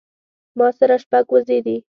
ما سره شپږ وزې دي